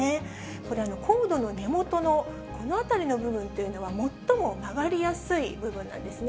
これ、コードの根元のこの辺りの部分というのは、もっとも曲がりやすい部分なんですね。